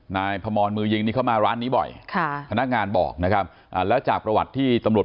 นายพมรมือยิงนี่เข้ามาร้านนี้บ่อยค่ะพนักงานบอกนะครับแล้วจากประวัติที่ตำรวจ